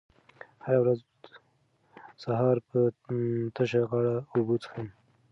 زه هره ورځ سهار په تشه غاړه اوبه څښم.